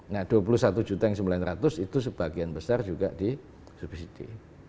nah dua puluh satu juta yang sembilan ratus itu sebagian besar juga disubsidi